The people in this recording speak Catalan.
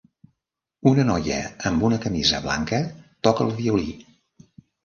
Una noia amb una camisa blanca toca el violí.